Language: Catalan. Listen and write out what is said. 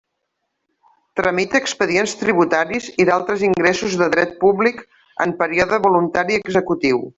Tramita expedients tributaris i d'altres ingressos de dret públic en període voluntari i executiu.